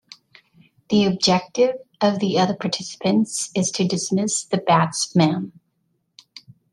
The objective of the other participants is to dismiss the batsman.